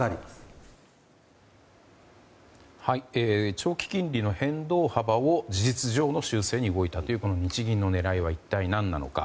長期金利の変動幅を事実上の修正に動いたというこの日銀の狙いは一体何なのか。